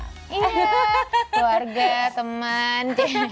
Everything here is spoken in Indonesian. keluarga keluarga teman